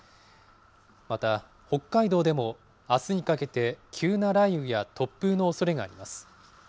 また、北海道でもあすにかけて急な雷雨や突風のおそれがあります。